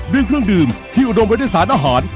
ด้วยเครื่องดื่มที่อุดมไว้ในสารอาหาร